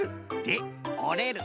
で「おれる」！